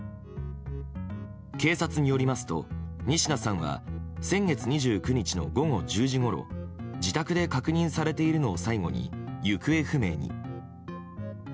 警察によりますと、仁科さんは先月２９日の午後１０時ごろ自宅で確認されているのを最後に行方不明に。